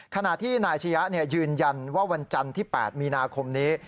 ขณะที่นายชะยะยืนยันว่าวันจันทร์ที่๘มีนาคมนี้